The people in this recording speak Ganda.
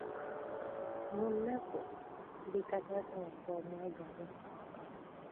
Mu nnaku, tubika taata waffe omwagalwa.